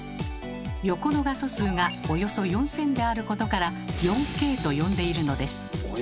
横の画素数がおよそ４，０００であることから「４Ｋ」と呼んでいるのです。